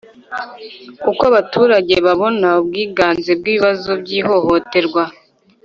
Uko abaturage babona ubwiganze bw ibibazo by ihohoterwa